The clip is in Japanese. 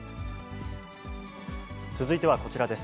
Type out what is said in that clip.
続いてはこちらです。